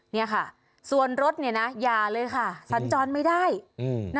เนี่ยค่ะส่วนรถเนี่ยนะอย่าเลยค่ะสัญจรไม่ได้อืมนะ